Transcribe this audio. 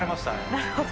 なるほど。